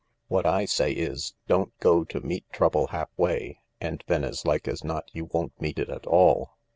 What Isay is, don't go to meet trouble half way, and then as like as not you won't meet it at all."